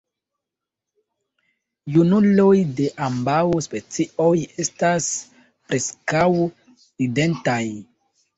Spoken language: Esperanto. Junuloj de ambaŭ specioj estas preskaŭ identaj.